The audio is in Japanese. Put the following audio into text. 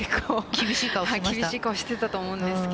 厳しい顔してたと思うんです